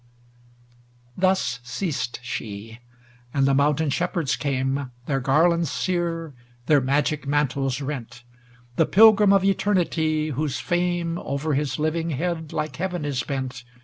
XXX Thus ceased she; and the mountain shepherds came. Their garlands sere, their magic mantles rent; The Pilgrim of Eternity, whose fame Over his living head like Heaven is bent.